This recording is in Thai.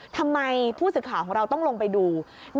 ทำไมผู้ศึกข่าวเราต้องลงไปดู